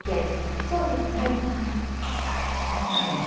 ああそうなの。